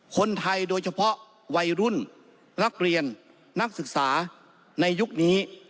โดยเฉพาะวัยรุ่นนักเรียนนักศึกษาในยุคนี้